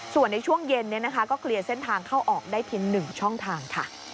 ส่วนในช่วงเย็นก็เคลียร์เส้นทางเข้าออกได้เพียง๑ช่องทางค่ะ